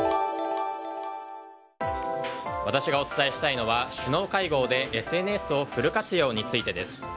私がお伝えしたいのは首脳会合でＳＮＳをフル活用についてです。